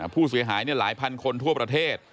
ผู้เสียหายหลายพันคนทั่วประเทศ